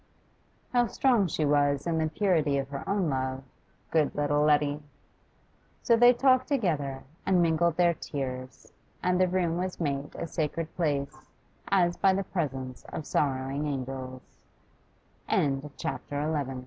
How strong she was in the purity of her own love, good little Letty! So they talked together, and mingled their tears, and the room was made a sacred place as by the presence of